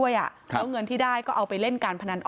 ยาเสียสาวครับ